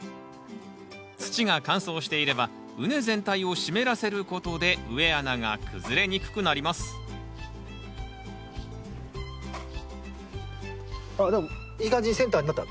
土が乾燥していれば畝全体を湿らせることで植え穴が崩れにくくなりますあっでもいい感じにセンターになった。